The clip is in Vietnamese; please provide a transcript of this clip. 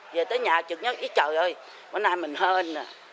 về tới nhà chừng nhớ cái trời ơi bữa nay mình hên à